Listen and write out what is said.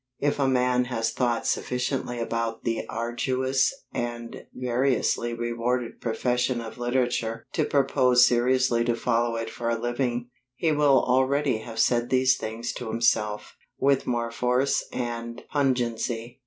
If a man has thought sufficiently about the arduous and variously rewarded profession of literature to propose seriously to follow it for a living, he will already have said these things to himself, with more force and pungency.